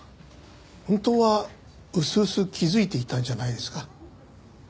本当はうすうす気づいていたんじゃないですか？